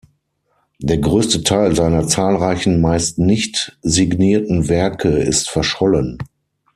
Der größte Teil seiner zahlreichen, meist nicht signierten Werke ist verschollen.